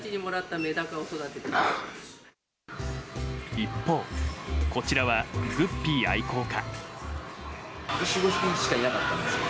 一方、こちらはグッピー愛好家。